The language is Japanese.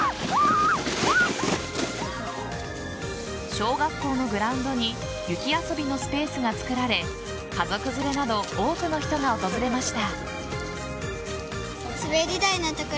小学校のグラウンドに雪遊びのスペースが作られ家族連れなど多くの人が訪れました。